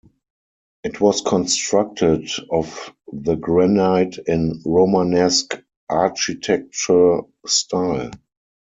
It was constructed of the granite in Romanesque architecture style.